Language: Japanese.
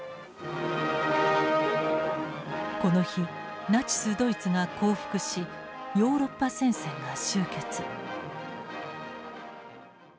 この日ナチス・ドイツが降伏しヨーロッパ戦線が終結。